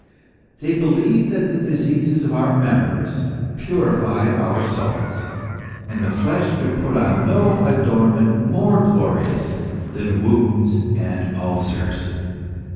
They believed that the diseases of our members purify our souls, and the flesh could put on no adornment more glorious than wounds and ulcers.